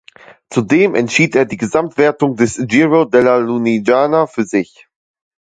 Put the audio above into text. Zudem entschied er die Gesamtwertung des Giro della Lunigiana für sich.